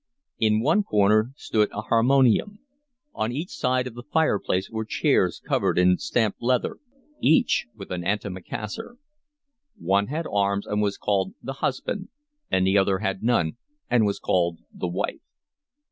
In one corner stood a harmonium. On each side of the fireplace were chairs covered in stamped leather, each with an antimacassar; one had arms and was called the husband, and the other had none and was called the wife.